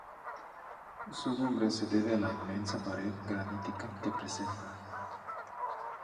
Su nombre se debe a la inmensa pared granítica que presenta.